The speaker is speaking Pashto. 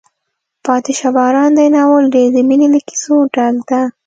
پاتې شه باران دی ناول ډېر د مینې له کیسو ډک ده.